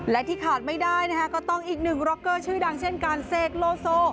และที่ขาดไม่ได้นะคะก็ต้องอีกหนึ่งร็อกเกอร์ชื่อดังเช่นการเสกโลโซ